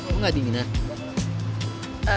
kok gak dingin ah